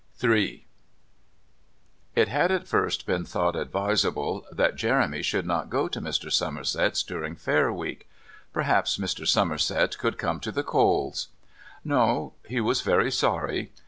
III It had, at first, been thought advisable that Jeremy should not go to Mr. Somerset's during Fair Week. Perhaps Mr. Somerset could come to the Coles'. No, he was very sorry.